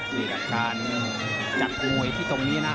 กรรมการจากโมไปที่ตรงนี้นะ